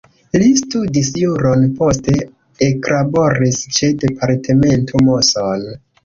Li studis juron, poste eklaboris ĉe departemento Moson.